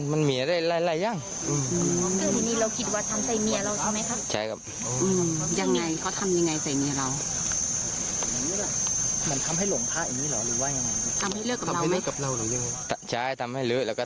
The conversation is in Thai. มันมีอะไรละ